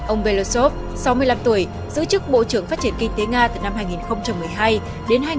ông belosov sáu mươi năm tuổi giữ chức bộ trưởng phát triển kinh tế nga từ năm hai nghìn một mươi hai đến hai nghìn một mươi